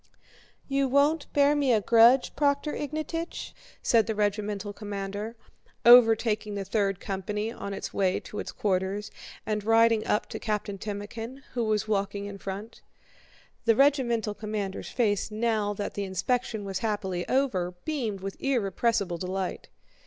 "You won't bear me a grudge, Prokhór Ignátych?" said the regimental commander, overtaking the third company on its way to its quarters and riding up to Captain Timókhin who was walking in front. (The regimental commander's face now that the inspection was happily over beamed with irrepressible delight.)